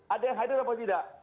ada yang hadir apa tidak